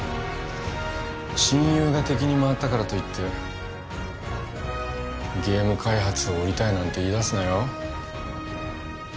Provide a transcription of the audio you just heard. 親友が敵に回ったからといってゲーム開発を降りたいなんて言いだすなよ